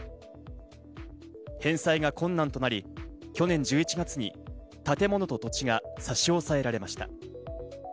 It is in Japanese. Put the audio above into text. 返済が困難となり、去年１１月に建物と土地が差し押さえられました。